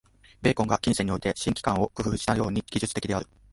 ベーコンが近世において「新機関」を工夫したように、技術的である。